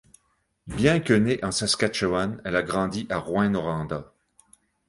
Bien que née en Saskatchewan, elle a grandi à Rouyn-Noranda.